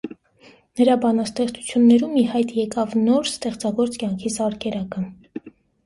Նրա բանաստեղծություններում ի հայտ եկավ նոր, ստեղծագործ կյանքի զարկերակը։